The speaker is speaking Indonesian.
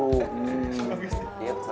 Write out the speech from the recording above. lu mau masuk kampus mana